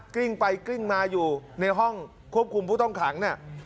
กริ้งไปกริ้งมาอยู่ในห้องควบคุมผู้ต้องหานะ